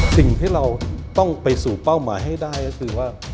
สิ่งที่เราต้องไปสู่เป้าหมายให้ได้ก็คือว่า